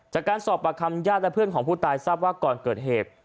จากการสอบปากคำญาติและเพื่อนของผู้ตายทราบว่าก่อนเกิดเหตุ